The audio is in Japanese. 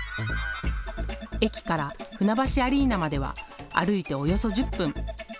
駅から船橋アリーナまでは歩いておよそ１０分。